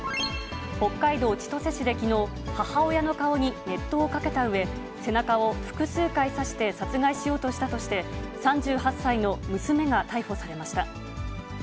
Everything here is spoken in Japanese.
北海道千歳市できのう、母親の顔に熱湯をかけたうえ、背中を複数回刺して殺害しようとしたとして、３８歳の娘が逮捕されました。